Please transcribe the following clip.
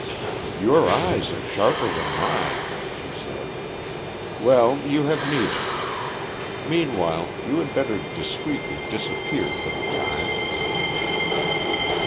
"Your eyes are sharper than mine," she said. "Well, you have need of them. Meanwhile you had better discreetly disappear for the time."